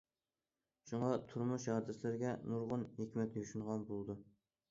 شۇ تۇرمۇش ھادىسىلىرىگە نۇرغۇن ھېكمەت يوشۇرۇنغان بولىدۇ.